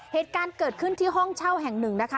เหตุการณ์เกิดขึ้นที่ห้องเช่าแห่งหนึ่งนะคะ